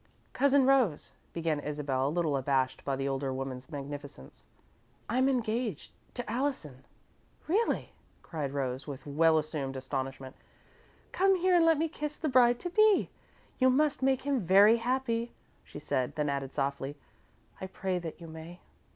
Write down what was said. "Cousin Rose," began Isabel, a little abashed by the older woman's magnificence, "I'm engaged to Allison." "Really?" cried Rose, with well assumed astonishment. "Come here and let me kiss the bride to be. You must make him very happy," she said, then added, softly: "I pray that you may."